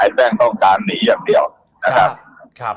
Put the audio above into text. แป้งต้องการหนีอย่างเดียวนะครับครับ